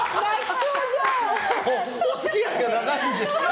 お付き合いが長いので。